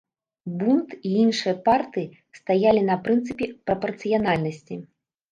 Бунд і іншыя партыі стаялі на прынцыпе прапарцыянальнасці.